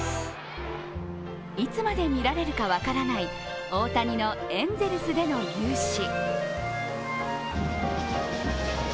いつまで見られるか分からない大谷のエンゼルスでの雄姿。